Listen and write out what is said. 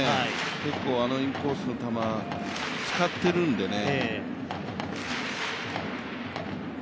結構あのインコースの球、使ってるんでね。